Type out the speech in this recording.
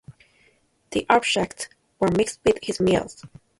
The objects were mixed with his meals.